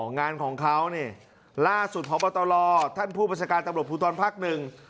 อ๋องานของเขาเนี่ยล่าสุดของปตลอดท่านผู้บริษัทการตำลวจผู้ตอนพักหนึ่ง